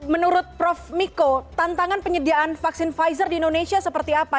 menurut prof miko tantangan penyediaan vaksin pfizer di indonesia seperti apa